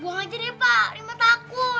buang aja deh pak rima takut